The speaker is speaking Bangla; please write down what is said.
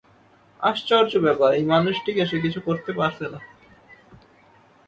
আশ্চর্য ব্যাপার, এই মানুষটিকে সে কিছু করতে পারছে না!